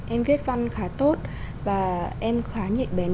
em viết văn khá tốt và em khá nhạy bén